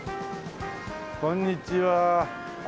こんにちは。